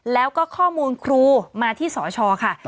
แล้วก็ข้อมูลครูมาที่สชค่ะ